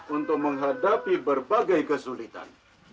untuk menghadapi berbagai kesulitan